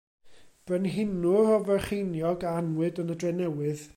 Brenhinwr o Frycheiniog a anwyd yn y Drenewydd.